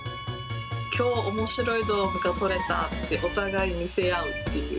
きょう、おもしろい動画が撮れたって、お互い見せ合うっていう。